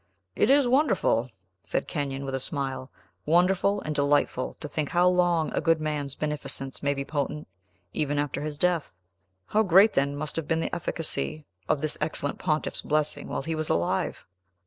"It is wonderful," said Kenyon, with a smile, "wonderful and delightful to think how long a good man's beneficence may be potent, even after his death. How great, then, must have been the efficacy of this excellent pontiff's blessing while he was alive!"